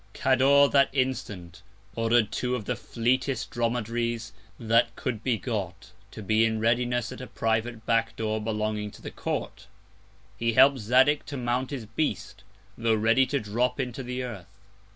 Cador, that Instant, order'd two of the fleetest Dromedaries that could be got, to be in readiness at a private Back Door belonging to the Court; he help'd Zadig to mount his Beast, tho' ready to drop into the Earth.